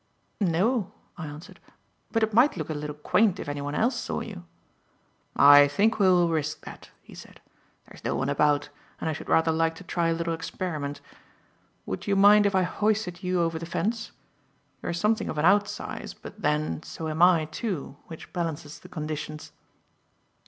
"No," I answered, "but it might look a little quaint if anyone else saw you." "I think we will risk that," he said. "There is no one about, and I should rather like to try a little experiment. Would you mind if I hoisted you over the fence? You are something of an out size, but then, so am I, too, which balances the conditions."